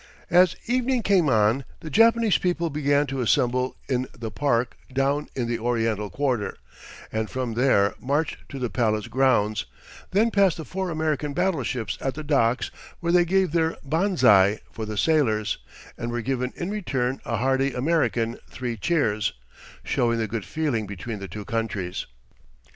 As evening came on the Japanese people began to assemble in the park down in the Oriental quarter, and from there marched to the palace grounds, then past the four American battleships at the docks, where they gave their banzai for the sailors, and were given in return a hearty American "three cheers," showing the good feeling between the two countries.